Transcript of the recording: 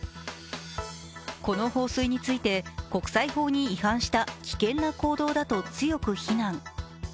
この放水について国際法に違反した危険な行動だと強く非難。